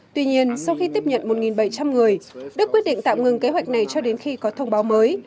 tuy nhiên sau khi tiếp nhận một bảy trăm linh người đức quyết định tạm ngừng kế hoạch này cho đến khi có thông báo mới